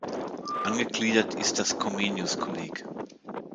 Angegliedert ist das Comenius-Kolleg.